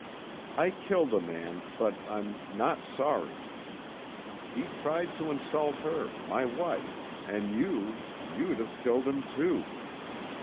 I killed a man, but I'm not sorry. He tried to insult her my wife an' you you'd have killed him, too.